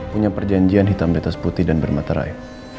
punya perjanjian hitam di atas putih dan bermaterai